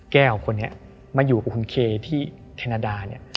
แก้วคนนี้มาอยู่กับคุณเคที่แคนาดาเนี่ย